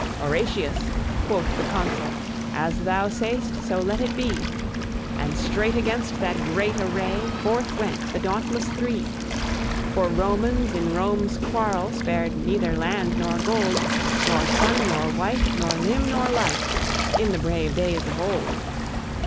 "Horatius," quoth the Consul, "As thou say'st, so let it be," And straight against that great array Forth went the dauntless Three. For Romans in Rome's quarrel Spared neither land nor gold, Nor son nor wife, nor limb nor life, In the brave days of old.